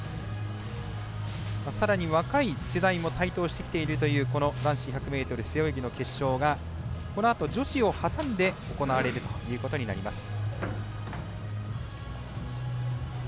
さらに若い世代も台頭してきているというこの男子１００ｍ背泳ぎの決勝がこのあと女子を挟んで行われるということになります。